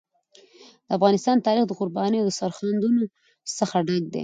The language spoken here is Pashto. د افغانستان تاریخ د قربانیو او سرښندنو څخه ډک دی.